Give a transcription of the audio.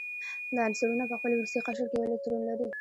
دا عنصرونه په خپل وروستي قشر کې یو الکترون لري.